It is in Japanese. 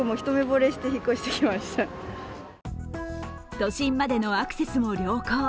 都心までのアクセスも良好。